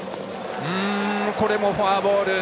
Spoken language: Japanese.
これもフォアボール。